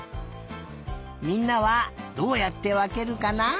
みんなはどうやってわけるかな？